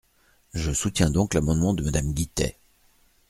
Je soutiens donc l’amendement de Madame Guittet.